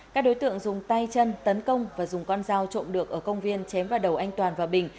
các đối tượng dùng tay chân tấn công và dùng con dao trộm được ở công viên chém vào đầu anh toàn và bình